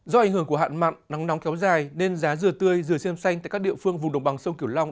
do ảnh hưởng của hạn mặn nắng nóng kéo dài nên giá dừa tươi dừa xiêm xanh tại các địa phương vùng đồng bằng sông kiểu long